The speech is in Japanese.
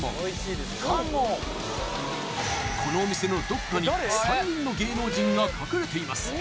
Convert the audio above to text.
このお店のどこかに３人の芸能人が隠れています